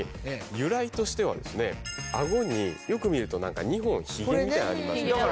由来としては顎によく見ると２本ひげみたいなのありますよね。